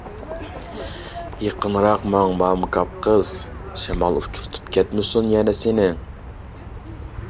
-يېقىنراق ماڭ، مامكاپ قىز، شامال ئۇچۇرتۇپ كەتمىسۇن يەنە سېنى.